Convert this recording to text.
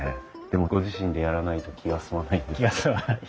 でもご自身でやらないと気が済まない。